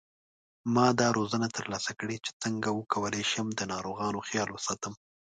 ما دا روزنه تر لاسه کړې چې څنګه وکولای شم د ناروغانو خیال وساتم